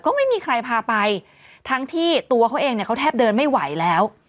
ก็ไม่มีใครพาไปทั้งที่ตัวเขาเองเนี่ยเขาแทบเดินไม่ไหวแล้ว